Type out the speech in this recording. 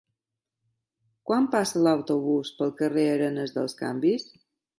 Quan passa l'autobús pel carrer Arenes dels Canvis?